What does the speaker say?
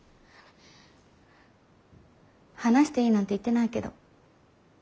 話していいなんて言ってないけど。